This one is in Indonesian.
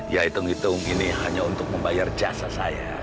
ya hitung hitung ini hanya untuk membayar jasa saya